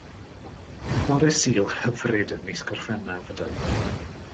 Bore Sul hyfryd ym mis Gorffennaf ydoedd.